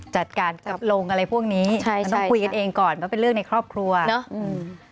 จัดการกับโรงอะไรพวกนี้ใช่ค่ะต้องคุยกันเองก่อนว่าเป็นเรื่องในครอบครัวเนอะอืม